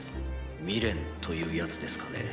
未練というやつですかね。